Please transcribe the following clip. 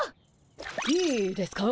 いいですかぁ？